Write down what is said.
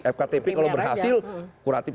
fktp kalau berhasil kuratif